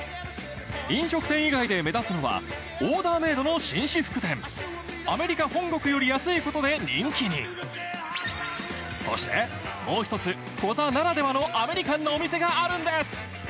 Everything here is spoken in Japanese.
飲食店以外で目立つのはオーダーメードの紳士服店アメリカ本国より安いことで人気にそしてもう一つコザならではのアメリカンなお店があるんです